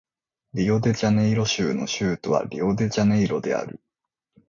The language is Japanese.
リオデジャネイロ州の州都はリオデジャネイロである